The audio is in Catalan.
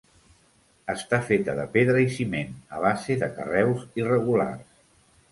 Està feta de pedra i ciment, a base de carreus irregulars.